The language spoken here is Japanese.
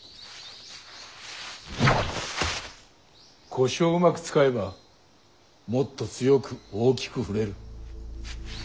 腰をうまく使えばもっと強く大きく振れる。